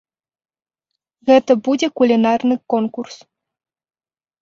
Гэта будзе кулінарны конкурс.